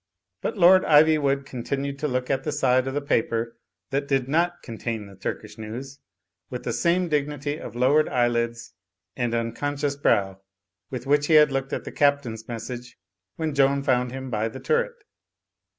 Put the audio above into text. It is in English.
But Lord Ivywood continued to look at the side of the paper that did not contain the Turkish news, with the same dignity of lowered eyelids and unconscious Digitized by CjOOQI^ THE POET IN PARLIAMENT 207 brow with which he had looked at the Captain's mes sage when Joan found him by the turret.